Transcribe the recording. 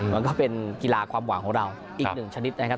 มันก็เป็นกีฬาความหวังของเราอีกหนึ่งชนิดนะครับ